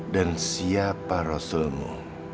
dan siapa rasulmu